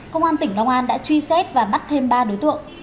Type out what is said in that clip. công an tỉnh long an đã truy xét và bắt thêm ba đối tượng